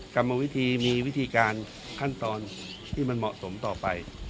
กรรมวิธีมีวิธีการขั้นตอนที่มันเหมาะสมต่อไป